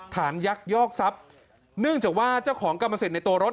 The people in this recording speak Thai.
ยักยอกทรัพย์เนื่องจากว่าเจ้าของกรรมสิทธิ์ในตัวรถ